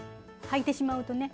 はいてしまうとね。